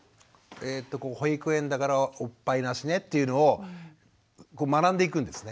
保育園だからおっぱいなしねっていうのを学んでいくんですね。